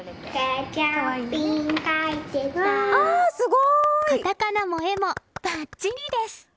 カタカナも絵もバッチリです！